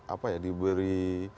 apa ya diberi